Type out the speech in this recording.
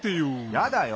やだよ。